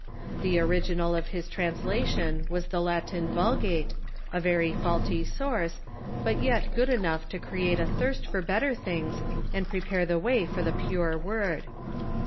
The original of his trans lation was the Latin Vulgate, a very faulty source, but yet good enough to create a thirst for better things and jjrepare the way for the pure Word.